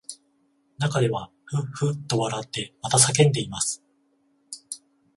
中ではふっふっと笑ってまた叫んでいます